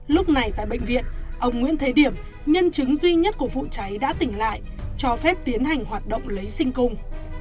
lúc này tại bệnh viện ông nguyễn thế điểm nhân chứng duy nhất của vụ cháy đã tỉnh lại cho phép tiến hành hoạt động lấy sinh cung